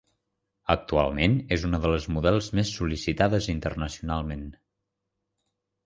Actualment és una de les models més sol·licitades internacionalment.